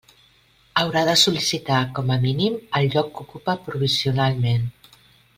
Haurà de sol·licitar com a mínim, el lloc que ocupa provisionalment.